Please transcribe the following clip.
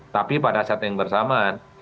tapi pada saat yang bersamaan